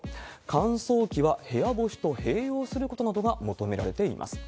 乾燥機は、部屋干しと併用することなどが求められています。